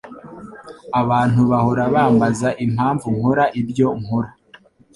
Abantu bahora bambaza impamvu nkora ibyo nkora.